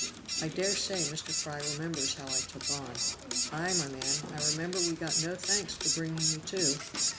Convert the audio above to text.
I dare say Mr. Fry remembers how I took on." "Ay, my man, I remember we got no thanks for bringing you to."